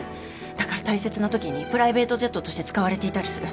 だから大切なときにプライベートジェットとして使われていたりする。